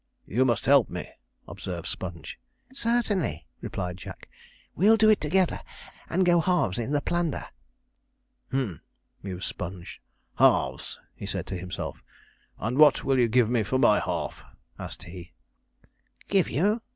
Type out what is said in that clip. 'You must help me,' observed Sponge. 'Certainly,' replied Jack; 'we'll do it together, and go halves in the plunder.' 'Humph,' mused Sponge: 'halves,' said he to himself. 'And what will you give me for my half?' asked he. 'Give you!'